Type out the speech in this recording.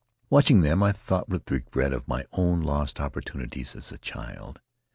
Watching them, I thought with regret of my own lost opportunities as a child.